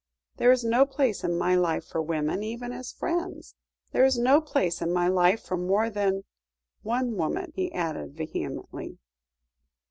There is no place in my life for women, even as friends. There is no place in my life for more than one woman," he ended vehemently.